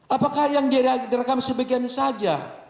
apakah yang direkam sebegini saja